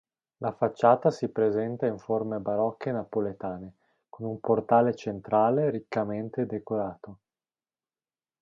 La facciata si presenta in forme barocche napoletane, con un portale centrale riccamente decorato.